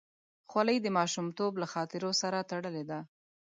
خولۍ د ماشومتوب له خاطرو سره تړلې ده.